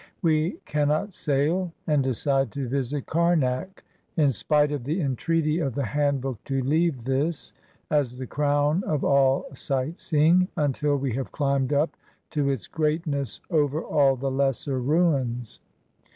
We cannot sail, and decide to visit Kamak, in spite of the entreaty of the handbook to leave this, as the crown of all sight seeing, until we have climbed up to its greatness over all the lesser ruins.